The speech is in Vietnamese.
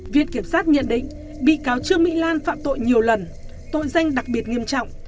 viện kiểm sát nhận định bị cáo trương mỹ lan phạm tội nhiều lần tội danh đặc biệt nghiêm trọng